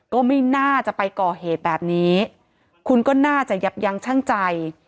ก็ไม่น่าจะไปก่อเหตุแบบนี้